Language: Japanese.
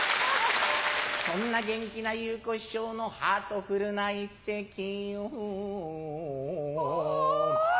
そんな元気な祐子師匠のハートフルな一席をハァ！